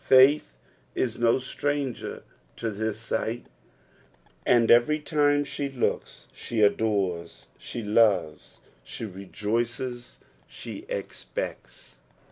Faith is no stranger to this sight, and every time she looka she adores, she loves, she rejoices, she expects.